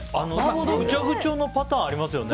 ぐちゃぐちゃのパターンありますよね。